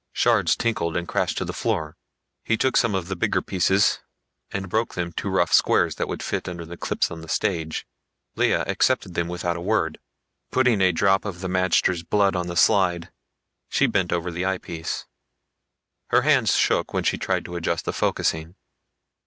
Shards tinkled and crashed to the floor. He took some of the bigger pieces and broke them to rough squares that would fit under the clips on the stage. Lea accepted them without a word. Putting a drop of the magter's blood on the slide, she bent over the eyepiece. Her hands shook when she tried to adjust the focusing.